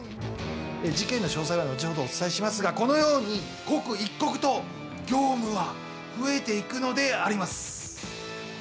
事件の詳細は後ほどお伝えしますが、このように、刻一刻と業務は増えていくのであります。